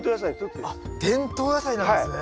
あっ伝統野菜なんですね。